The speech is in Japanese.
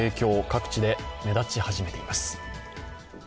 各地で目立ち始めています。